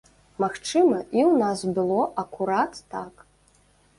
Магчыма, і ў нас было акурат так.